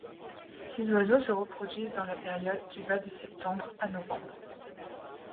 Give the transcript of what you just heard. Ces oiseaux se reproduisent dans la période qui va de septembre à novembre.